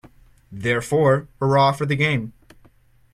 Therefore, hurrah for the game.